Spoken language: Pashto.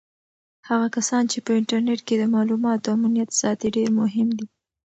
هغه کسان چې په انټرنیټ کې د معلوماتو امنیت ساتي ډېر مهم دي.